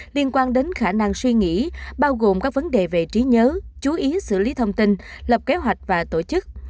liên quan đến khả năng suy nghĩ bao gồm các vấn đề về trí nhớ chú ý xử lý thông tin lập kế hoạch và tổ chức